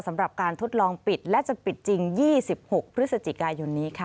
สำหรับการทดลองปิดและจะปิดจริง๒๖พฤศจิกายนนี้ค่ะ